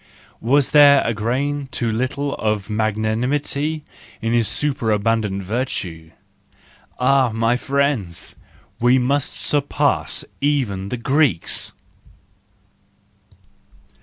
Was there a grain too little of magnanimity in his superabundant virtue ? Ah, my friends ! We must surpass even the Greeks!